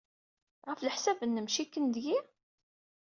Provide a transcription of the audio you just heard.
Ɣef leḥsab-nwen, cikken deg-i?